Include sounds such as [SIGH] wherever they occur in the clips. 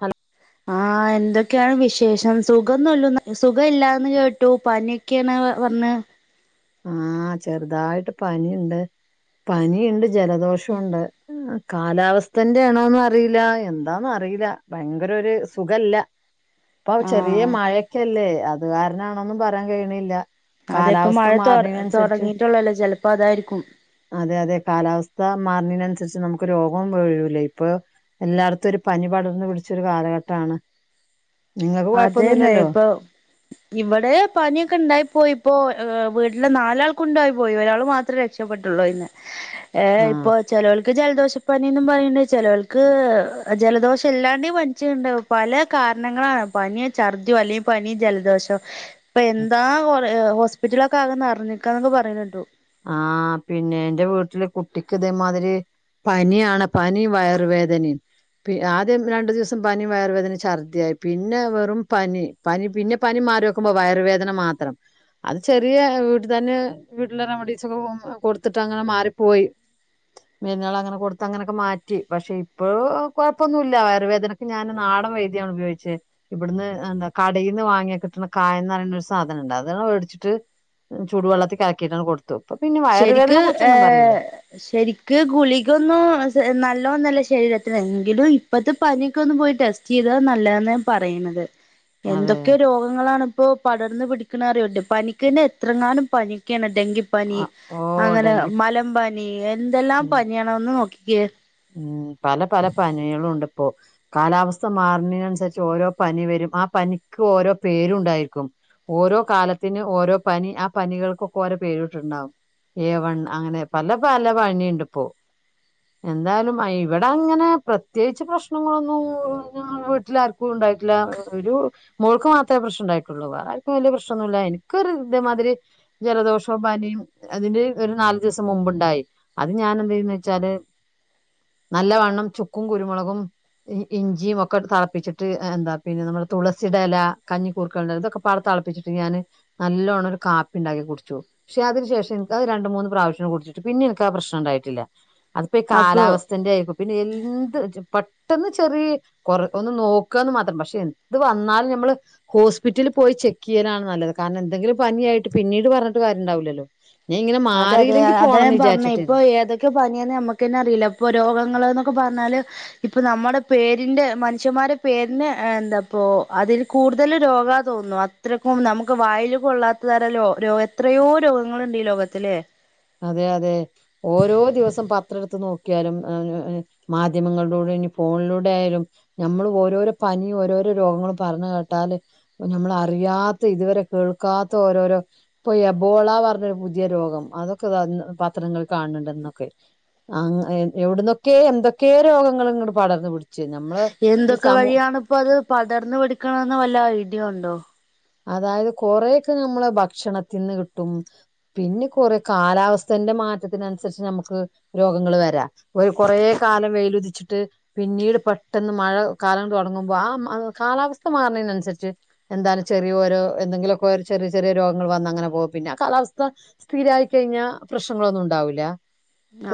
Hello ആ എന്തൊക്കെണ് വിശേഷം സുഖന്നുല്ലന്ന് സുഖ ഇല്ലാന്ന് കേട്ടു പനി ക്കെണ് പർഞ് ആ ചെർതായിട്ട് പനിണ്ട് പനി ഇണ്ട് ജലദോഷു ഉണ്ട് കാലാവസ്ഥന്റെ ആണോന്ന് അറീല എന്താന്ന് അറീല ഭയങ്കര ഒര് സുഖല്ല ഇപ്പൊ ചെറിയ ആഹ് മഴക്കല്ലേ അത് കാര്നാണോന്നും പറയാൻ കഴിണില്ല അതെ ഇപ്പ മഴ തൊ തൊടങ്ങിട്ടോള്ളല്ലോ ചെലപ്പോ അതായിരിക്കും അതെ അതെ കാലാവസ്ഥ മാർണെനൻസരിച്ച് നമുക്ക് രോഗം വഴൂലെ ഇപ്പൊ എല്ലാട്ത്തും ഒരു പനി പടർന്നു പിടിച്ചരു കാലഘട്ടാണ് അതന്നെ ഇപ്പൊ ഇവടെ പനിയൊക്കെ ഇണ്ടായിപ്പോയി ഇപ്പോ ഏ വീട്ടിലെ നാലാൾക്കുണ്ടായി പോയി ഒരാള് മാത്രേ രക്ഷപ്പെട്ടോള്ളൂ അയ്ന്ന് [INAUDIBLE] ഏഹ് ഇപ്പോ ആഹ് ചെലോൽ ജലദോഷപ്പനിന്നും പറയ്ണ്ട് ചിലോൽക്ക് ജലദോഷം ഇല്ലാണ്ടി പ നിച്ണ്ടാവും പല കാരണങ്ങളാണ് പനി ഛർദിയോ അല്ലെങ്കിൽ പനി ജലദോഷോ ഇപ്പൊ എന്താ ഹോസ്പിറ്റലക്കെ ആകെ നർ ഞ്ഞക്കാന്നൊക്കെ പറയണേട്ടു ആ പിന്നെ എന്റെ വീട്ടില് കുട്ടിക്ക് ഇതേമാതിരി പനി ആണ് പ്പനി വയറുവേദനിം പി ആദ്യം രണ്ടു ദിവസം പനി വയർുവേദന ഛർദിയായി പിന്നെ വെറും പനി പനി പിന്നെ പനി മാറിക്കുമ്പോ വയറു വേദന മാത്രം അത് ചെറിയ വീട്ട് തന്നെ വീട്ടില റെമഡീസ് ഒക്കെ കൊടുത്തിട്ട് അങ്ങനെ മാറിപ്പോയി മരുന്നുകളങ്ങനെ കൊടുത്ത് അങ്ങനൊക്കെ മാറ്റി പക്ഷെ ഇപ്പൊ കൊഴപ്പൊന്നുല്ല വയർവേദന ഞാൻ നാടൻ വൈദ്യാണ് ഉപയോഗിച്ചത് ഇവിടന്ന് എന്താ കടയിന്ന് വാങ്ങിയ കിട്ടണ കായന്ന് റയണ ഒരു സാധനംണ്ട് അതാണ്ട് വേടിച്ചിട്ട് ചൂടുവെള്ളത്തി കലക്കിയിട്ടാണ് കൊടുത്തു പ്പ പിന്നെ വയറുവേദനെ ശരിക്ക് ഏ കുറിച്ചൊന്നും പറയില്ല ശരിക്ക് ഗുളികൊന്നും നല്ലോന്നല്ല ശരീരത്തിന് എങ്കിലും ഇപ്പത്തെ പനിക്കെ ഒന്ന് പോയി ടെസ്റ്റ് ചെയ്താ നല്ലതാന്ന് പറയണത് അതെ എന്തൊക്കെ രോഗങ്ങളാണ് ഇപ്പോൾ പടർന്ന് പിടിക്കണറുണ്ട് പനിക്ക് തന്നെ എത്രങ്ങാനും പനിയൊക്കെയാണ് ഡെങ്കി പനി ആ, ഓ അങ്ങനെ ഡെങ്കി മലമ്പനി എന്തെല്ലാം ഉം പനിയണോ ഒന്ന് നോക്കിക്കെ ഉം പല പല പനികളും ഉണ്ട്പ്പോ കാലാവസ്ഥ മാറുന്നതിനനുസരിച്ച് ഓരോ പനി വരും ആ പനിക്ക് ഓരോ പേരുണ്ടായിരിക്കും ഓരോ കാലത്തിന് ഓരോ പനി ആ പനികൾകൊക്കെ ഓരോ പേര്ട്ട് ണ്ടാവും ഏ വൺ അങ്ങനെ പല പല പനി യുണ്ട് ഇപ്പോ എന്തായാലും ഇവിടെ അങ്ങനെ പ്രത്യേകിച്ച് പ്രശ്നങ്ങളൊന്നും ഞങ്ങ ളെ വീട്ടിലാർക്ക ക്കു ണ്ടായിട്ടില്ല ഒരു മോൾക്ക് മാത്രമേ പ്രശ്നം ഉണ്ടായിട്ടുള്ളൂ വേറെ ആർക്കും വലിയ പ്രശ്നംന്നുല്ല എനിക്കൊ ഒരു ഇതേമാതിരി ജലദോഷം പനിം അതിന്റെ ഒരു നാല് ദിവസം മുമ്പുണ്ടായി അത് ഞാൻ എന്ത ചെയ്യന്ന് വെച്ചാല് നല്ല വണ്ണം ചുക്കും കുരുമുളകും ഇഞ്ചിയും ഒക്കെ തിളപ്പിച്ചിട്ട് എന്താ പിന്നെ നമ്മുടെ തുളസിടെ ഇല കഞ്ഞിക്കൂർക്കൽന്റ ഇതൊക്കെ പാട ത്തളപ്പിച്ചിട്ട് ഞാന് നല്ലോണ്ണം ഒരു കാപ്പി ഉണ്ടാക്കി കുടിച്ചു ക്ഷേ അതിന ശേഷം ൻക്ക് അത് രണ്ട് മൂന്ന് പ്രാവശ്യം കുട്ച്ചിട്ട് പിന്നെ ഇൻക് ആ പ്രശ്നംണ്ടായിട്ടില്ല ഇപ്പ അപ്പൊ കാലാവസ്ഥന്റെ ആയിക്കും പിന്നെ എന്ത് പെട്ടെന്ന് ചെറിയ കൊറ ഒന്ന് നോക്കുകന്ന് മാത്രം പക്ഷെ എന്ത് വന്നാലും നമ്മള് ഹോസ്പിറ്റലിൽ പോയി ചെക്ക് ചെയ്യാനാണ് നല്ലത് കാരണം എന്തെങ്കിലും പനിയായിട്ട് പിന്നീട് പറഞ്ഞിട്ട് കാര്യംണ്ടാവില്ലല്ലോ അതെ അതെ അത ഞൻ പറഞ്ഞത് ഇപ്പൊ ഏതൊക്കെ പനിയാണെന്ന് നമുക്ക്ന്നെ അറിയില്ല ഇപ്പൊ രോഗങ്ങൾന്നൊക്കെ പറഞ്ഞാല് ഇപ്പൊ നമ്മുടെ പേരിന്റെ മനുഷ്യന്മാരുടെ പേരിന് എന്താപ്പോ അതിൽ കൂടുതൽ രോഗ തോന്നുന്നു എത്രക്കും നമുക്ക് വായില കൊ കൊള്ളാത്ത തര ല ര എത്രയോ രോഗങ്ങളുണ്ട് ഈ ലോകത്തിലെ അതെ അതെ ഓരോ ദിവസം പത്ര എടുത്ത് നോക്കിയാലും [UNINTELLIGIBLE] മാധ്യമങ്ങളിലൂടെ ഇനി ഫോണിലൂടെ ആയാലും നമ്മള് ഓരോരോ പനി ഓരോരോ രോഗങ്ങളും പറഞ്ഞു കേട്ടാല് ഇപ്പാ നമ്മൾ അറിയാത്ത ഇതുവരെ കേൾക്കാത്ത ഓരോരോ ഇപ്പൊ എബോള പറഞ്ഞൊരു പുതിയ രോഗം അതൊക്കെ പത്രങ്ങിൽ കാണണണ്ട് ഇന്നൊക്കെ ആഹ് എവിടുന്നൊക്കെ എന്തൊക്കെയ രോഗങ്ങ ഇങ്ങോട് പടർന്നു പിടിച്ചച്ച് നമ്മള് ഈ സമൂ അപ്പൊ അത് പടർന്നു പിടിക്കണന്ന് വല്ല ഐഡിയ ഉണ്ടോ അതായത് കൊറയൊക്കെ നമ്മള് ഭക്ഷണത്തിന്ന് കിട്ടും പിന്നെ കൊറേ കാലാവസ്ഥന്റെ മാറ്റത്തിനന്സരിച്ച് നമുക്ക് രോഗങ്ങള് വരാ. ഒരു കൊറേ കാലം വെയിലുദിച്ചിട്ട് പിന്നീട് പെട്ടെന്ന് മഴ കാലം തൊടങ്ങുമ്പോ ആ കാലാവസ്ഥ മാറണതിനന്സരിച്ച് എന്താലും ചെറിയ ഓരോ എന്തെങ്കിലൊക്കെ ഒരു ചെറിയ ചെറിയ രോഗങ്ങള് വന്നങ്ങനെ പോകും. പിന്നെ ആ കാലാവസ്ഥ സ്ഥിരായിക്കഴിഞ്ഞാ പ്രശ്നങ്ങളൊന്നു ഉണ്ടാവൂല്ല.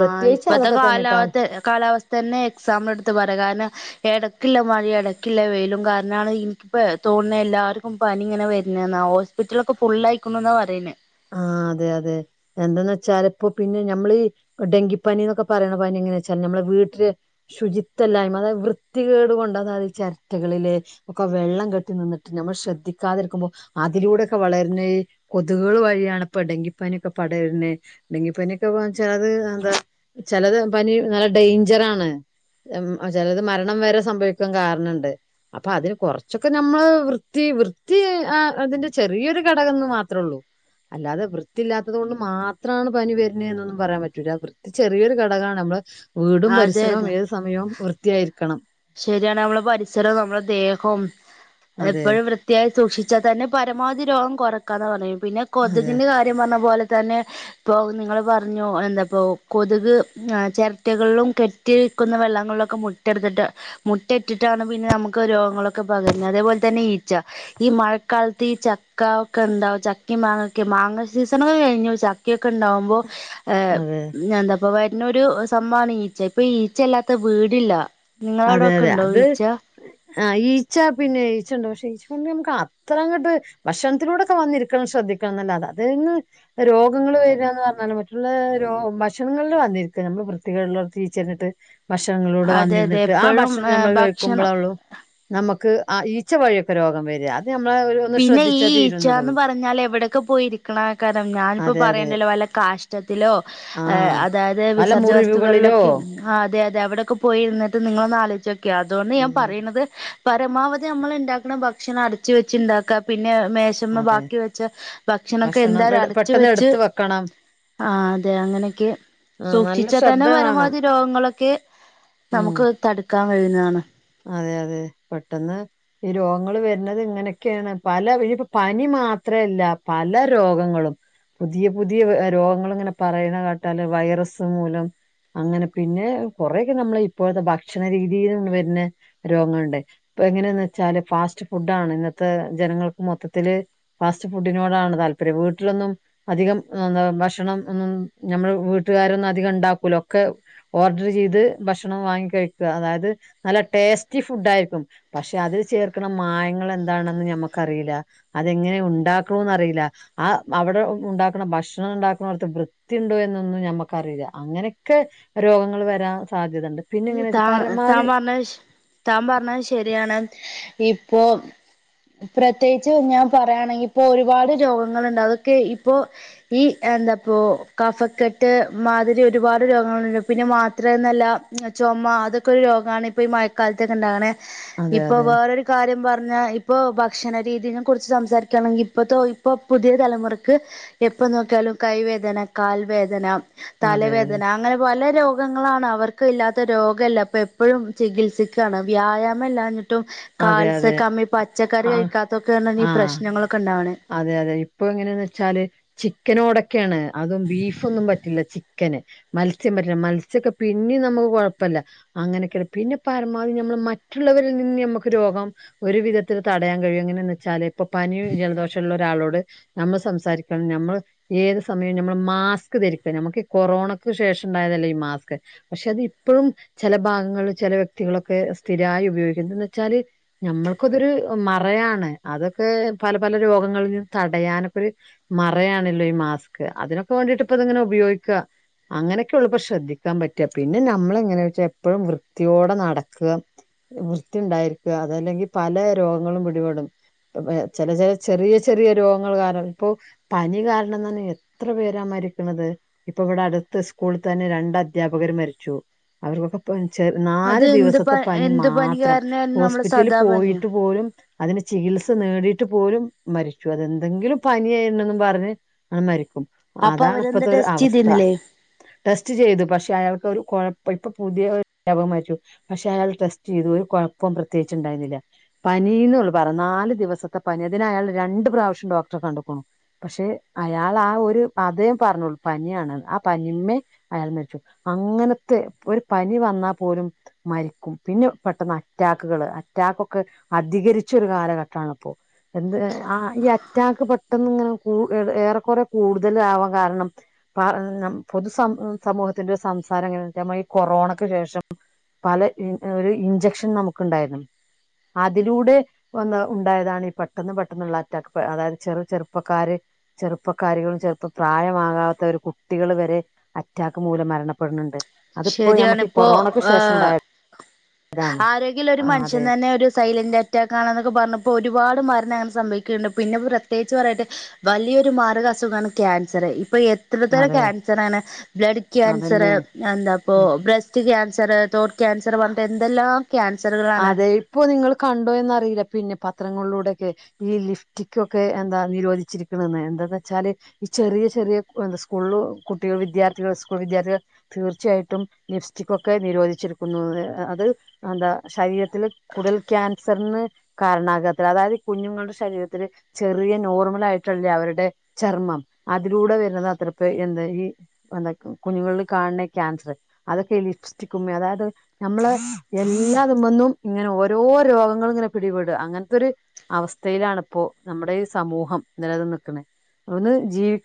ആഹ് ഇപ്പത്തെ കാലാവത്ത കാലാവസ്ഥന്നെ എക്സാമെട്ത്ത് പറയാ. കാരണം എടയ്ക്കിള്ള മഴയും എടക്കിള്ള വെയിലും കാരണാണ് ഇനിക്കിപ്പ തോന്നണേ എല്ലാർക്കും പനി ഇങ്ങനെ വരുന്നേന്നാ. ഹോസ് പ്പിറ്റലൊക്കെ ഫുള്ളായിക്കണൂന്നാ പറയ്ന്നേ. ആഹ് അതെ അതെ. എന്തന്ന് വെച്ചാല്, ഇപ്പൊ പിന്നെയും ഞമ്മളീ ഡെങ്കിപ്പനി എന്നൊക്കെ പറയണ പനി എങ്ങനെയാച്ചാല് ഞമ്മളെ വീട്ടില് ശുചിത്വല്ലായ്മ, അതായത് വൃത്തികേടു കൊണ്ട്, അതായത് ചെരട്ടകളില് ഒക്കെ വെള്ളം കെട്ടി നിന്നിട്ട് നമ്മൾ ശ്രദ്ധിക്കാതിരിക്കുമ്പോ അതിലൂടെയൊക്കെ വളരുന്ന ഈ കൊത്കുകളുവായി യാണിപ്പൊ ഡെങ്കിപ്പനിയൊക്കെ പടരുന്നെ. ഡെങ്കിപ്പനിയൊക്കെ വച്ചാൽ അത് എന്താ ചെലത് പനി നല്ല ഡേഞ്ചറാണ്. മ്മ് ചെലത് മരണം വരെ സംഭവിക്കാൻ കാരണണ്ട്. അപ്പൊ അതിന് കൊറച്ചൊക്കെ നമ്മള് വൃത്തി വൃത്തി ആ അതിന്റെ ചെറിയൊരു ഘടകംന്ന് മാത്രേള്ളു. അല്ലാതെ വൃത്തിയില്ലാത്തത് കൊണ്ട് മാത്രമാണ് പനി വര്ന്നേന്ന് എന്നൊന്നും പറയാൻ പറ്റൂല്ല. വൃത്തി ചെറിയൊരു ഘടകാണ്. നമ്മള് വീടും അതെ പരിസരവും അതെ ഏത് സമയവും വൃത്തിയായിരിക്കണം. ശരിയാണ്. നമ്മളെ പരിസരം നമ്മളെ ദേഹം, അതെ എപ്പഴും വൃ ത്തിയായി സൂക്ഷിച്ചാൽ തന്നെ പരമാവധി രോഗം കൊറയ്ക്കാന്ന് പറയും. പിന്നെ അതെ കൊതുകിൻ്റെ കാര്യം പറഞ്ഞ പോലെ തന്നെ ഇപ്പൊ നിങ്ങള് പറഞ്ഞു എന്താപ്പൊ കൊതുക് ഈഹ് ചെരട്ടകളിലും കെട് ട്ടി നിൽക്കുന്ന വെള്ളങ്ങളിലൊക്കെ മുട്ടെട്ത്തിട്ട് മുട്ട ഇട്ടിട്ടാണ് പിന്നെ നമുക്ക് രോഗങ്ങളൊക്കെ പകരുന്നത്. അതേപോലെ തന്നെ ഈച്ച ഈ മഴക്കാലത്ത് ഈ ചക്ക ഒക്കെ എന്താവ ചക്കയും മാങ്ങയൊക്കെ. മാങ്ങ സീസണൊക്കെ കഴിഞ്ഞു. ചക് ക്കയൊക്കെ ഇണ്ടാവുമ്പോ ഏഹ് അതെ എന്താപ്പൊ വരുന്നൊരു സംഭവാണ് ഈച്ച. ഇപ്പൊ ഈച്ച ഇല്ലാത്ത വീടില്ല. നിങ്ങളവിടൊക്കെ അതെയതെ. ഉണ്ടോ അത് ഈച്ച ആഹ് ഈച്ച പിന്നെ ഈച്ചണ്ട്. പക്ഷെ ഈച്ചെ കൊണ്ട് നമക്ക് അത്ര അങ്ങട്ട് ഭക്ഷണത്തിലൂടെക്കെ വന്നിരിക്കണം ശ്രദ്ധിക്കണം എന്നല്ലാതെ അതേന്ന് രോഗങ്ങള് വരാന്ന് പറഞ്ഞാല്, മറ്റുള്ള രോ ഭക്ഷണങ്ങളില് വന്നിരിക്ക നമ്മള് വൃത്തികേടുള്ളിടത്ത് ഈച്ച ഇരുന്നിട്ട് ഭക്ഷണങ്ങളിലൂടെ അതെ അതെ വന്നിരുന്നിട്ട്. ആഹ് എപ്പോഴും ഭക്ഷണം നമ്മൾ കഴിക്കുമ്പള ഭക്ഷണം ളു. നമ്മക്ക് ആഹ് ഈച്ച വഴിയൊക്കെ രോഗം വര്വാ. അത് ഞമ്മളെ ഒരു ഒന്ന് പിന്നെ ഈ ശ്രദ്ധിച്ചാൽ തീരുന്നതുള്ളൂ ഈച്ചാന്ന് പറഞ്ഞാല് എവിടെയൊക്കെ പോയി ഇരിക്കണ കാരണം ഞാനിപ്പോ അതെ അതെ പറയേണ്ടല്ലോ, വല്ല കാഷ് ഠത്തിലോ ആഹ് അതായത് പല വിസർജ്ജ മുറിവുകളിലോ വസ്തുക്കളിലൊക്കെ ഇരുന്ന് ആഹ് അതെയതെ. അവിടെയൊക്കെ പോയിരുന്നിട്ട് നിങ്ങളൊന്ന് ആലോചിച്ചോക്കിയേ. അതുകൊണ്ട് ഞാൻ ഉം പറയുന്നത് പരമാവധി നമ്മൾ ഇണ്ടാക്കണ ഭക്ഷണം അടച്ച് വെച്ച് ഇണ്ടാക്ക്വാ. പിന്നെ മേശ മ്മ അതെ ബാക്കി വെച്ച ഭക്ഷണൊക്കെ ഭക്ഷണം എന്തായാലും എട് അടച്ച് പെട്ടെന്ന് വെച്ച് എടുത്ത് വെക്കണം ആഹ് അതെ അങ്ങനെയൊക്കെ ആഹ് നല്ല സൂക്ഷിച്ചാ ശ്രദ്ധ തന്നെ വേണം പരമാവധി രോഗങ്ങളൊക്കെ ഉം നമുക്ക് തടുക്കാൻ കഴിയുന്നതാണ്. അതെ അതെ പെട്ടെന്ന് ഈ രോഗങ്ങള് വരുന്നത് ഇങ്ങനെയൊക്കെയാണ്. പല ഇനിപ്പോ പനി മാത്രല്ല പല രോഗങ്ങളും പുതിയ പുതിയ രോഗങ്ങളിങ്ങനെ പറയണ കേട്ടാല്, വൈറസ് മൂലം അങ്ങനെ. പിന്നെ കൊറെയൊക്കെ നമ്മളെ ഇപ്പോഴത്തെ ഭക്ഷണ രീതീലും വര്ന്നെ രോഗങ്ങള്ണ്ട്. ഇപ്പൊ എങ്ങനെയെന്ന് വെച്ചാല് ഫാസ്റ്റ് ഫുഡ്ഡാണ് ഇന്നത്തെ ജനങ്ങൾക്ക് മൊത്തത്തില് ഫാസ്റ്റ് ഫുഡിനോടാണ് താല്പര്യം വീട്ടിലൊന്നും അധികം എന്ത ഭക്ഷണം ഒന്നുംഞമ്മൾ വീട്ടുകാരൊന്നും അധികം ഉണ്ടാക്കൂല. ഒക്കെ ഓർഡർ ചെയ്ത് ഭക്ഷണം വാങ്ങി കഴിക്കുക. അതായത് നല്ല ടേസ്റ്റി ഫുഡ് ആയിരിക്കും. പക്ഷെ അതിൽ ചേർക്കുന്ന മായങ്ങൾ എന്താണെന്ന് ഞമ്മക്കറിയില്ല. അതെങ്ങനെ ഉണ്ടാക്കുംന്നറിയില്ല. ആ അവിടെ ഉണ്ടാക്കണ ഭക്ഷണം ഉണ്ടാക്കുന്നിടത്ത് വൃത്തിഉണ്ടോ എന്നൊന്നും ഞമ്മക്കറിയില്ല. അങ്ങനെയൊക്കെ രോഗങ്ങൾ വരാൻ സാധ്യതയുണ്ട്. താ താൻ പറഞ്ഞ താൻ പറഞ്ഞത് ശരിയാണ് ഇപ്പൊ പ്രത്യേകിച്ച് ഞാൻ പറയയാണെങ്കിൽ ഇപ്പോ ഒരുപാട് രോഗങ്ങളുണ്ട്. അതൊക്കെ ഇപ്പോ ഈ എന്താപ്പോ കഫക്കെട്ട് മാതിരി ഒരുപാട് രോഗങ്ങളുണ്ട്. പിന്നെ മാത്രമെന്നല്ല ചുമ അതൊക്കെ ഒരു രോഗമാണ്. ഇപ്പൊ ഈ മഴക്കാലത്തൊക്കെ ഉണ്ടാവണെ. അതെ ഇപ്പൊ അതെ വേറൊ കാര്യം പറഞ്ഞാ ഇപ്പ ഭക്ഷണ രീതി നെ കുറിച്ച് സംസാരിക്കുകയാണെങ്കിൽ ഇപ്പ ഇപ്പൊ പുതിയ തലമുറക്ക് എപ്പൊ നോക്കിയാലും കൈവേദന, കാൽ വേദന, അതെ അതെ തലവേദന അങ്ങനെ പല രോഗങ്ങളാണ് അവർക്ക് ക്ക ഇല്ലാത്ത രോഗല്ല. അപ്പൊ എപ്പോഴും ചികിത്സിക്കുകയാണ്. വ്യായാമം ഇല്ലാഞ്ഞിട്ടും അതെ അതെ കാൽസ്യക്കമ്മി പച്ചക്കറി ആ കഴിക്കാത്തൊക്കെണ് ഈ ആ പ്രശ്നങ്ങളൊക്കെണ്ടാവണേ. അതെ അതെ ഇപ്പൊ എങ്ങനെയാന്ന് വെച്ചാല് ചിക്കനോടൊക്കെയാണ്. അതും ബീഫൊന്നും പറ്റില്ല. ചി ക്കന്. മത്സ്യം പറ്റില്ല. മത്സ്യക്കെ പിന്നിം നമുക്ക് കൊഴപ്പല്ല- അങ്ങനൊക്കെണ് പിന്നെ പരമാവധി നമ്മള് മറ്റുള്ളവരിൽ നിന്ന് നമ്മുക്ക് രോഗം ഒരു വിധത്തിൽ തടയാൻ കഴിയും. എങ്ങനെയന്ന് വെച്ചാല് ഇപ്പൊ പനിയും ജലദോഷം ഉള്ള ഒരാളോട് നമ്മൾ സംസാരിക്കണം നമ്മള് ഏത് സമയം നമ്മൾ മാസ്ക് ധരിക്കാം. നമുക്ക് ഈ കൊറോണക്ക് ശേഷം ഉണ്ടായതല്ല ഈ മാസ്ക് പക്ഷെ അത് ഇപ്പോഴും ചില ഭാഗങ്ങളിൽ ചില വ്യക്തികളൊക്കെ സ്ഥിരായി ഉപയോഗിക്കുന്നു. എന്ന് വെച്ചാല് ഞമ്മൾക്കതൊരു മറയാണ് അതൊക്കെ പല പല രോഗങ്ങളും തടയാനൊക്കെ ഒരു മറയാണല്ലോ ഈ മാസ്ക്. അതിനൊക്കെ വേണ്ടിട്ട് ഇപ്പ ഇതിങ്ങനെ ഉപയോഗിക്കുക. അങ്ങനെയൊക്കെയല്ലിപ്പോ ശ്രദ്ധിക്കാൻ പറ്റുക. പിന്നെ നമ്മള്എങ്ങനെയൊക്കെ എപ്പഴും വൃത്തിയോടെ നടക്കുക വൃത്തിയുണ്ടായിരിക്കുക. അതല്ലെങ്കിൽ പല രോഗങ്ങളും പിടിപെടും ചില ചില ചെറിയ ചെറിയ രോഗങ്ങൾ കാരണം ഇപ്പൊ പനി കാരണം തന്നെ എത്ര പേരാ മരിക്കുന്നത്? ഇപ്പം ഇവിടെ അടുത്ത സ്കൂളിൽ തന്നെ രണ്ട് അദ്ധ്യാപകര് മരിച്ചു. അവർക്കൊക്കെ ചെ അത് നാല് എന്ത് പ ദിവസത്തെ പനി എന്ത് മാത്രം. കാരണായിരുന്നു നമ്മളെ ഹോസ്പിറ്റലിൽ സദാ പനിയോ പോയിട്ട് പോലും അതിന് ചികിത്സ നേടിയിട്ട് പോലും മരിച്ചു. അതെന്തെങ്കിലും പനിയായി ണന്ന് പറഞ്ഞ് ആ മരിക്കും. അപ്പൊ അതാണ് അവരെന്താ ഇപ്പത്തെ ഒരു ടെസ്റ്റ് അവസ്ഥ. ചെയ്തിരുന്നില്ലേ ടെസ്റ്റ് ചെയ്തു. പക്ഷെ അയാൾക്ക് ഒരു കുഴപ്പ ഇപ്പൊ പുതിയ വ്യാപകം മരിച്ചു. പക്ഷെ അയാൾ ടെസ്റ്റ് ചെയ്തു. ഒരു കുഴപ്പവും പ്രത്യകിച്ച്ഉണ്ടായിരുന്നില്ല. പനിന്നുള്ളു പറ നാല് ദിവസത്തെ പനി അതിനയാൾ രണ്ടുപ്രാവശ്യം ഡോക്ടറെ കണ്ട്ക്കണു. പക്ഷെ അയാൾ ആ ഒരു അതേ പറഞ്ഞോളു പനിയാണ് ആ പനി മ്മേ അയാൾ മരിച്ചു. അങ്ങനത്തെ ഒരു പനി വന്നാൽ പോലും മരിക്കും. പിന്നെ പെട്ടെന്ന് അറ്റാക്കുകള് അറ്റാ കൊക്കെ അധികരിച്ചൊരു കാലഘട്ടമാണ് ഇപ്പോ. എന്ത് ആ ഈ അറ്റാക്ക് പെട്ടെന്ന് ഇങ്ങനെ കു ഏ ഏറെക്കറെ കൂടുതലാവാൻ കാരണം അ നമ്മ പൊതുസ സമൂഹത്തിന്റെ സംസാരം എങ്ങനെന്നുവച്ചാ ഈ കൊറോണക്ക് ശേഷം പല ഒരു ഇഞ്ചക്ഷൻ നമുക്ക് ഉണ്ടായിരുന്നു. അതിലൂടെ വന്ന് ഉണ്ടായതാണ് ഈ പട്ട- പെട്ടെന്ന് പെട്ടെന്നുള്ള അറ്റാക്ക് അതായത് ചെറു ചെറുപ്പക്കാര് ചെറുപ്പക്കാരികളും ചെറുപ്പ പ്രായമാകാത്ത ഒരു കുട്ടികൾ വരെ അറ്റാക്ക് മൂലം മരണപ്പെടുന്നുണ്ട്. അതിപ്പോയി ശരിയാണ് നമുക്ക് ഈ കൊറോണക്ക് ശേഷം ഉണ്ടായ ആരോഗ്യഉള്ള ഒരു മനുഷ്യൻ അതെ തന്നെ ഒരു സൈലന്റ് അറ്റാ റ്റാക്കാണെന്നൊക്കെ പറഞ്ഞപ്പോൾ ഒരുപാട് മരണംഅങ്ങനെ സംഭവിക്കുന്നുണ്ട്. പിന്നെ പ്രത്യേകിച്ച് പറയട്ടെ വലിയൊരു മാരക അസുഖമാണ് ക്യാൻസർ. ഇപ്പൊ എ എത്രയെത്ര എത്രയെത്ര അതെ ക്യാൻസറാണ് ബ്ലഡ് ക്യാൻസർ അതന്നെ എന്താപ്പ ഉ ബ്രസ്റ്റ് ക്യാൻസർ തോട്ട് ക്യാൻസർ പറഞ്ഞിട്ട് എന്തെല്ലാം കാൻസറുകള് അതെ ഇപ്പോ നിങ്ങൾ കണ്ടോ എന്നറിയില്ല പിന്നെ പത്രങ്ങളിലൂടെയൊക്കെ ഈ ലിപ്സ്റ്റിക്ക് ഒക്കെ എന്താ നിരോധിച്ചിരിക്കണന്ന് എന്താന്ന് വെച്ചാല് ഈ ചെറിയ ചെറിയ എന്ത് സ്കൂൾ കുട്ടികൾ വിദ്യാർത്ഥികൾ സ്കൂൾ വിദ്യാർത്ഥികൾ തീർച്ചയായിട്ടും ലിപ്സ്റ്റിക് ഒക്കെ നിരോധിച്ചിടുരിക്കുന്നു അത് എന്താ ശരീരത്തിൽ കൂടൽ ക്യാൻസറിന് കാരണാകാത്തത് അതായത് കുഞ്ഞുങ്ങളുടെ ശരീരത്തില് ചെറിയ നോർമൽ ആയിട്ടുള്ളേ അവരുടെ ചർമ്മം അതിലൂടെ വരുന്നത് അത്ര ഇപ്പോ എന്താ ഈ എന്താ കുഞ്ഞുകളിൽ കാണുന്ന ക്യാൻസർ അതൊക്കെ ലിപ്സ്റ്റിക്കും അതായത് നമ്മള് എല്ല എല്ലാ ഇതുമന്നും ഇങ്ങനെ ഓരോ രോഗങ്ങളും ഇങ്ങനെ പിടിപെടുക അങ്ങനത്തെൊരു അവസ്ഥയിലണിപ്പോ നമ്മുടെ ഈ സമൂഹം നില നിൽക്കണ അത് കെണ്ട് ജീവി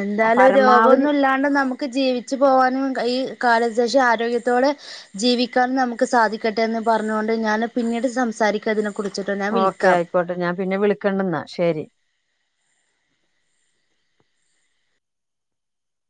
എന്താലും രോഗമൊന്നും ഇല്ലാണ്ട് നമു നമുക്ക് ജീവിച്ചു പോകാനും ഈ കാല ശേഷം ആരോഗ്യത്തോടെ ജീവിക്കാൻ നമുക്ക് സാധിക്കട്ടെ എന്ന് പറഞ്ഞൊണ്ട് ഞാൻ പിന്നീട് സംസാരിക്ക അതിന ഓക്കെ ആയിക്കോട്ടെ ഞാൻ പിന്നെ വിളിക്കണ്ടന്നാ ശരി